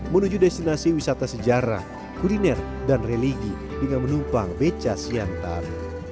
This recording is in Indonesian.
menuju destinasi wisata sejarah kuliner dan religi dengan menumpang beca siantar